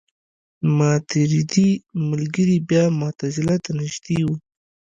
ماتریدي ملګري بیا معتزله ته نژدې وو.